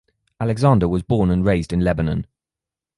Alexander was born and raised in Lebanon.